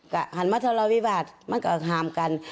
ก็หันมาทะเลาวิวาสมันก็ห้ามกัน